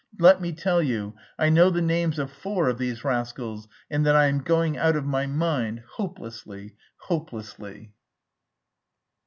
Let me tell you, I know the names of four of these rascals and that I am going out of my mind, hopelessly, hopelessly!..."